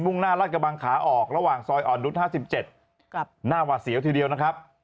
่งหน้าราชกระบังขาออกระหว่างซอยอ่อนนุษย์๕๗หน้าหวาดเสียวทีเดียวนะครับ